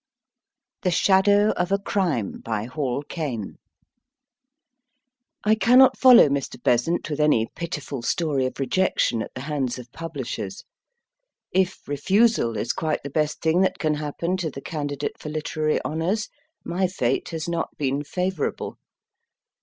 53 THE SHADOW OF A CRIME BY HALL CAINE I CANNOT follow Mr. Besant with any pitiful story of rejection at the hands of publishers. If refusal is quite the best thing that can happen to the candidate for literary honours, my fate has not been favourable.